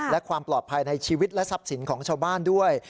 และความปลอดภัยในชีวิตและทรัพย์สินของชาวบ้านด้วย